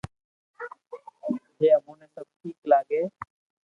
جي اموني سب ٺيڪ لاگي